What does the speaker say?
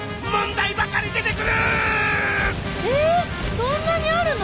そんなにあるの？